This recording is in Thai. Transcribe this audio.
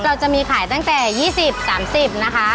เราจะมีขายตั้งแต่๒๐๓๐นะคะ